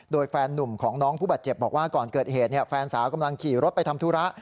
โดยแฟนนุ่มของน้องผู้บาดเจ็บบอกว่าก่อนเกิดเหตุแฟนสาวกำลังขี่รถไปทำธุระ